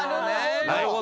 なるほど。